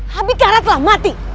habikara telah mati